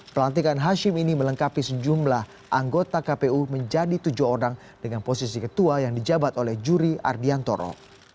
pelantikan hashim ini melengkapi sejumlah anggota kpu menjadi tujuh orang dengan posisi ketua yang dijabat oleh juri ardiantoro